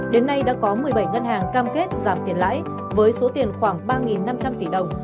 đến nay đã có một mươi bảy ngân hàng cam kết giảm tiền lãi với số tiền khoảng ba năm trăm linh tỷ đồng